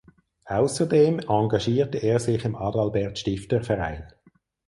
Außerdem engagierte er sich im Adalbert Stifter Verein.